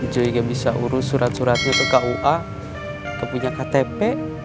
cuy gak bisa urus surat suratnya ke kua gak punya ktp